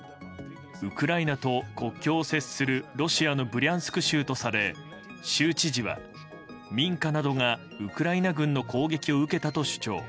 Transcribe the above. ウクライナと国境を接するロシアのブリャンスク州とされ州知事は民家などがウクライナ軍の攻撃を受けたと主張。